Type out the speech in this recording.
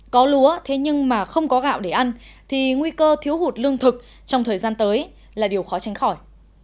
có lúa thế nhưng mà không có gạo để ăn thì nguy cơ thiếu hụt lương thực trong thời gian tới là điều khó tránh khỏi